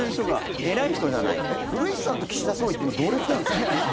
古市さんと岸田総理って今、同列なんですか？